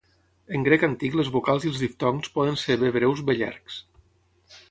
En grec antic les vocals i els diftongs poden ser bé breus bé llargs.